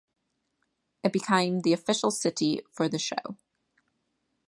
It became the official city for the show.